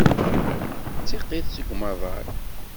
D tiqit seg umaḍal.